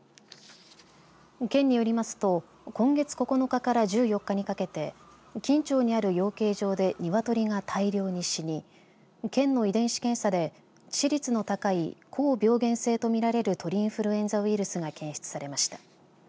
県によりますと今月９日から１４日にかけて金武町にある養鶏場で鶏が大量に死に県の遺伝子検査で致死率の高い高病原性と見られる鳥インフルエンザウイルスが検出されました。